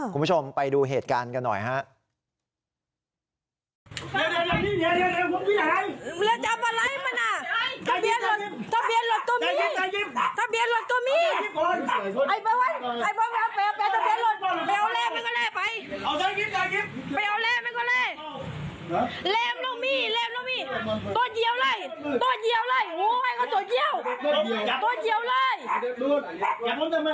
คุณผู้ชมไปดูเหตุการณ์กันหน่อยฮะ